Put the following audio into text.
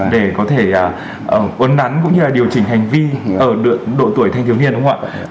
để có thể uốn nắn cũng như là điều chỉnh hành vi ở độ tuổi thanh thiếu niên đúng không ạ